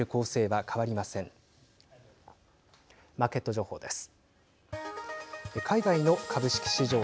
マーケット情報です。